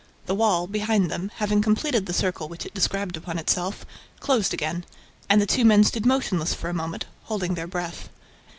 The wall, behind them, having completed the circle which it described upon itself, closed again; and the two men stood motionless for a moment, holding their breath.